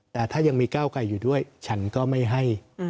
แต่ถ้ายังมีก้าวไกลอยู่ด้วยฉันก็ไม่ให้